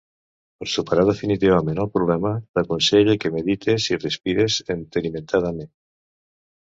Per superar definitivament el problema t'aconselle que medites i respires entenimentadament.